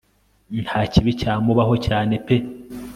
ntakibi cyamubaho cyane pe